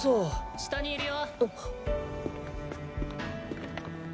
・下にいるよ。